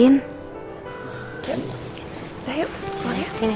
sini tas ancus pakai kayak gini ya